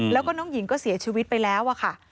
แล้วก็น้องหญิงก็เสียชีวิตไปแล้วอะค่ะ